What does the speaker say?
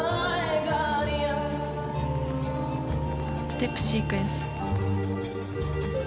ステップシークエンス。